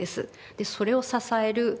それを支える気骨